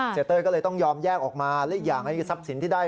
เสียเต้ยก็เลยต้องยอมแยกออกมาเรียกอย่างที่ซับสินที่ได้